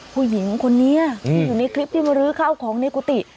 ผู้หญิงคนนี้ที่อยู่ในคลิปที่มาลื้อข้าวของในกุฏิ